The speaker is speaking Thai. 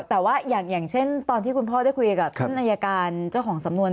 แต่ว่าอย่างเช่นตอนที่คุณพ่อได้คุยกับท่านอายการเจ้าของสำนวน